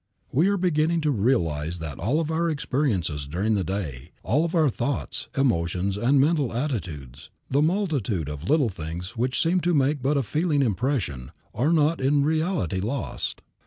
We are beginning to realize that all of our experiences during the day, all of our thoughts, emotions and mental attitudes, the multitude of little things which seem to make but a fleeting impression, are not in reality lost.